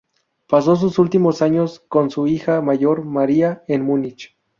Pasó sus últimos años con su hija mayor, María, en Munich.